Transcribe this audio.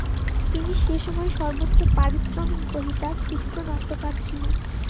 তিনি সে সময়ে সর্বোচ পারিশ্রমিক গ্রহীতা চিত্রনাট্যকার ছিলেন।